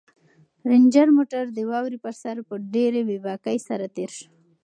رنجر موټر د واورې پر سر په ډېرې بې باکۍ سره تېر شو.